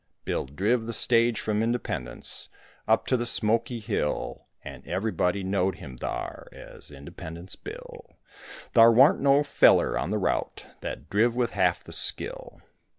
Bill driv the stage from Independence Up to the Smokey Hill; And everybody knowed him thar As Independence Bill, Thar warn't no feller on the route That driv with half the skill.